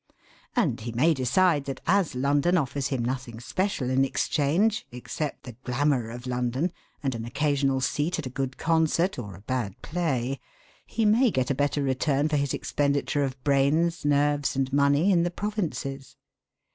And he may decide that, as London offers him nothing special in exchange except the glamour of London and an occasional seat at a good concert or a bad play, he may get a better return for his expenditure of brains, nerves, and money in the provinces.